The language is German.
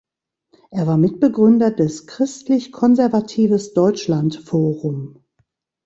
Er war Mitbegründer des Christlich-Konservatives Deutschland-Forum.